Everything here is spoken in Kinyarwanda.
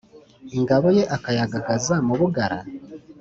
Ingabo ye akayagagaza mu Bugara?